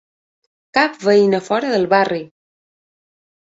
Cap veïna fora del barri!